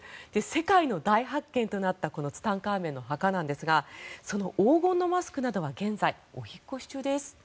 世界の大発見となったツタンカーメンの墓なんですがその黄金のマスクなどは現在、お引っ越し中です。